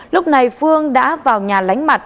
lúc này phương đã vào nhà lánh mặt